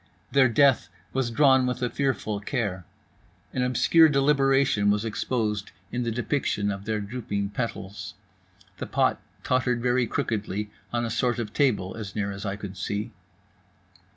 Their death was drawn with a fearful care. An obscure deliberation was exposed in the depiction of their drooping petals. The pot tottered very crookedly on a sort of table, as near as I could see.